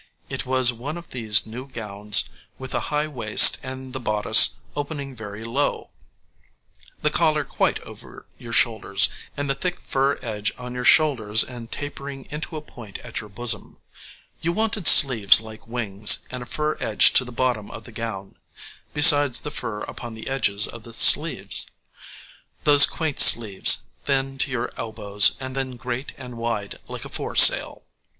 It was one of those new gowns with the high waist and the bodice opening very low, the collar quite over your shoulders, and the thick fur edge on your shoulders and tapering into a point at your bosom. You wanted sleeves like wings, and a fur edge to the bottom of the gown, besides the fur upon the edges of the sleeves those quaint sleeves, thin to your elbows, and then great and wide, like a foresail.